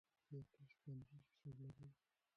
آیا تاسو بانکي حساب لرئ.